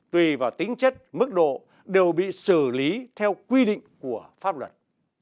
tùy vào tính chất mức độ đều bị xử lý theo quy định của pháp luật